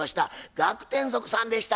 学天即さんでした。